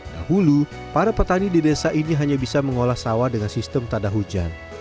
dahulu para petani di desa ini hanya bisa mengolah sawah dengan sistem tanda hujan